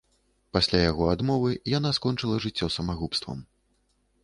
Пасля яго адмовы, яна скончыла жыццё самагубствам.